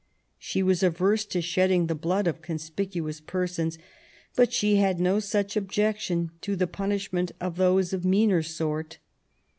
She was averse to shed the blood of conspicuous persons, but she had no such objection to the punishment of those of meaner sort.